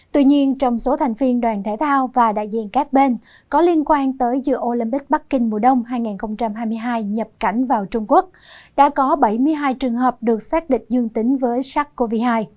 tuy nhiên trong số thành viên đoàn thể thao và đại diện các bên có liên quan tới dựa olympic bắc kinh mùa đông hai nghìn hai mươi hai nhập cảnh vào trung quốc đã có bảy mươi hai trường hợp được xác định dương tính với sars cov hai